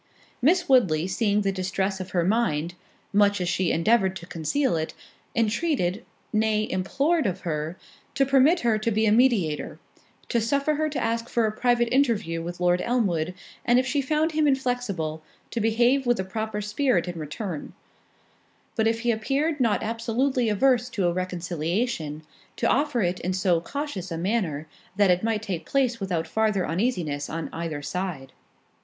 Miss Woodley seeing the distress of her mind, (much as she endeavoured to conceal it) entreated, nay implored of her, to permit her to be a mediator; to suffer her to ask for a private interview with Lord Elmwood, and if she found him inflexible, to behave with a proper spirit in return; but if he appeared not absolutely averse to a reconciliation, to offer it in so cautious a manner, that it might take place without farther uneasiness on either side.